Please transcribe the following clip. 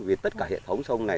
vì tất cả hệ thống sông này